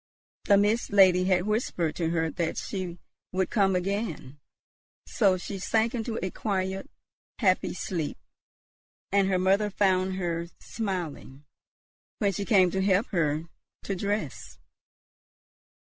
The Mist Lady had whispered to her that she would come again; so she sank into a quiet, happy sleep, and her mother found her smiling, when she came to help her to dress.